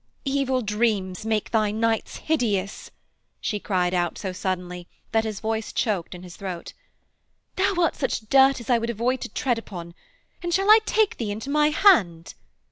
'Evil dreams make thy nights hideous!' she cried out so suddenly that his voice choked in his throat. 'Thou art such dirt as I would avoid to tread upon; and shall I take thee into my hand?'